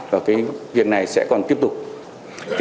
và việc này sẽ còn tiếp tục